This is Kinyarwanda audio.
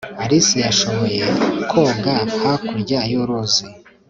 alice yashoboye koga hakurya y'uruzi